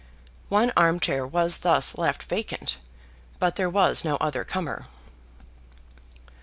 One armchair was thus left vacant, but there was no other comer.